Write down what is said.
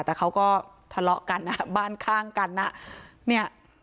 แต่เขาก็ทะเลาะกันอ่ะบ้านข้างกันอ่ะเนี่ย